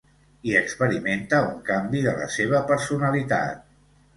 I experimenta un canvi de la seva personalitat.